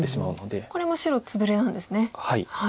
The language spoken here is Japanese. これも白ツブレなんですね。